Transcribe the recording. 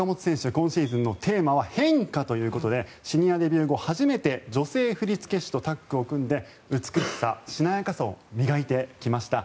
今シーズンのテーマは変化ということでシニアデビュー後初めて女性振付師とタッグを組んで美しさ、しなやかさを磨いてきました。